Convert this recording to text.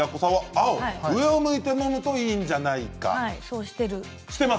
青、上を向いてのむといいんじゃないかと。